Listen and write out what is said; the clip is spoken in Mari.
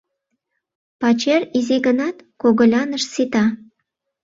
Пачер изи гынат, когылянышт сита.